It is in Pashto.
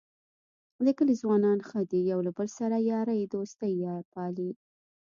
د کلي ځوانان ښه دي یو له بل سره یارۍ دوستۍ پالي.